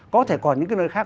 có thể còn những cái nơi khác